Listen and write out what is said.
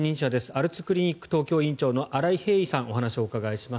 アルツクリニック東京院長の新井平伊さんにお話をお伺いします。